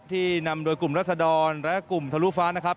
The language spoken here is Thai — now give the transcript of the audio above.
ที่นำโดยกลุ่มรัศดรและกลุ่มทะลุฟ้านะครับ